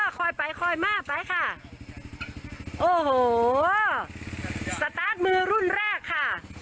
คอยไปคอยมาไปค่ะโอ้โหสตาร์ทมือรุ่นแรกค่ะ